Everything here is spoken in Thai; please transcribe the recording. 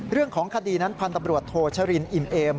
เรื่องของคดีนั้นพันธบรวจโทชรินอิ่มเอม